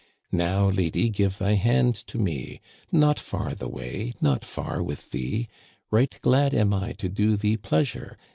" Now, lady, give thy hand to me. Not far the way — not far with thee. Right glad am I to do thee pleasure.